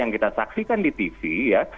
yang kita saksikan di tv ya